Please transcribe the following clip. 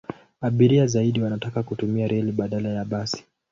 Abiria zaidi wanataka kutumia reli badala ya basi.